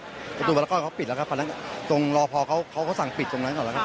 ตรงหน้าประตูพละก้อนเขาปิดแล้วครับตรงรอพอเขาสั่งปิดตรงนั้นก่อนแล้วครับ